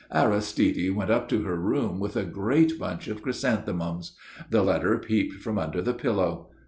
Aristide went up to her room with a great bunch of chrysanthemums. The letter peeped from under the pillow.